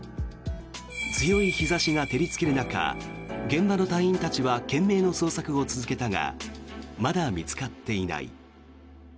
強い日差しが照りつける中現場の隊員たちは懸命の捜索を続けたがまだ見つかっていない。